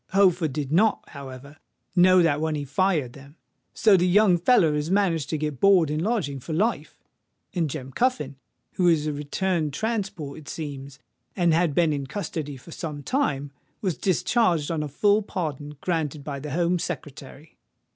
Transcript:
Holford did not, however, know that when he fired them. So the young feller has managed to get board and lodging for life; and Jem Cuffin, who is a returned transport, it seems, and had been in custody for some time, was discharged on a full pardon granted by the Home Secretary."